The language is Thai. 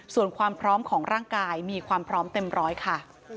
ส่วนความพร้อมของร่างกายมีความพร้อมเต็มร้อยค่ะ